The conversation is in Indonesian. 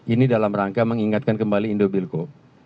ini dalam rangka mengingatkan kembali indobilco